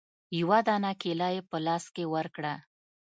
يوه دانه کېله يې په لاس کښې ورکړه.